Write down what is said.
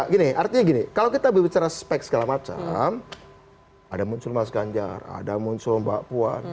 gini artinya gini kalau kita berbicara spek segala macam ada muncul mas ganjar ada muncul mbak puan